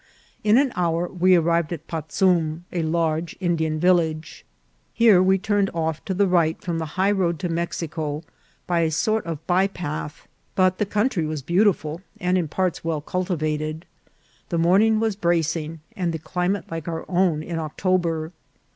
In an hour we arri ved at Patzum, a large Indian village. Here we turned off to the right from the high road to Mexico by a sort of by path ; but the country was beautiful, and in parts well cultivated. The morning was bracing, and the climate like our own in October.